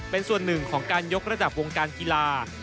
เป็นส่วนหนึ่งของการยกระดับวงการกีฬา